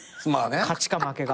勝ちか負けが。